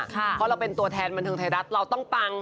เพราะเราเป็นตัวแทนบันเทิงไทยรัฐเราต้องปัง